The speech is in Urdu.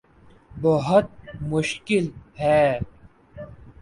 بہت مشکل ہے